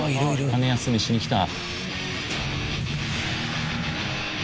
羽休めしに来た。